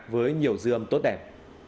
với nhiều dự án